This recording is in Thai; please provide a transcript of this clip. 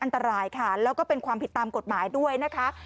อันตรายค่ะแล้วก็เป็นความผิดตามกฎหมายด้วยนะคะ